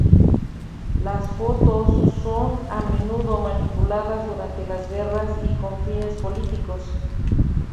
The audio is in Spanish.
Las fotos son a menudo manipuladas durante las guerras y con fines políticos.